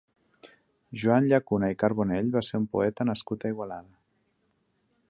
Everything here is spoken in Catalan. Joan Llacuna i Carbonell va ser un poeta nascut a Igualada.